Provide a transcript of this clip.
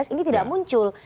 ini tidak muncul